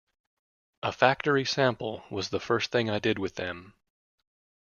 "A Factory Sample" was the first thing I did with them.